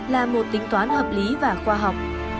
là một tính toán hợp lý và khoa học